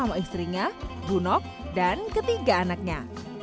sama istrinya bunok dan ketiga anaknya